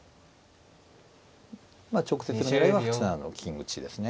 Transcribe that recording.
まあ直接の狙いは８七の金打ちですね。